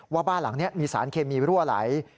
ว่าบ้านหลังนี้มีสารเคมีรั่วไหล